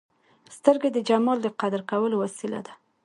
سترګې د جمال د قدر کولو وسیله ده